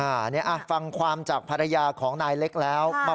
อันนี้ฟังความจากภรรยาของนายเล็กแล้ว